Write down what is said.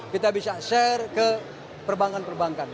kita bisa share ke perbankan perbankan